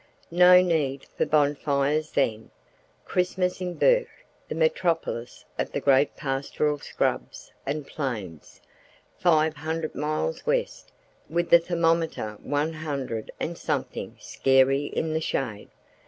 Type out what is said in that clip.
No need for bonfires then. Christmas in Bourke, the metropolis of the great pastoral scrubs and plains, five hundred miles west, with the thermometer one hundred and something scarey in the shade.